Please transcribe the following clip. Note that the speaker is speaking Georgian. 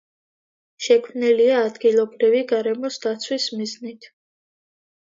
შექმნილია ადგილობრივი გარემოს დაცვის მიზნით.